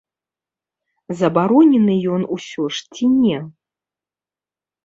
Забаронены ён усё ж ці не?